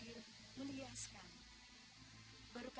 itu hal yang saya harus juga bertolak